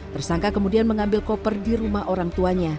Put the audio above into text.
tersangka kemudian mengambil koper di rumah orang tuanya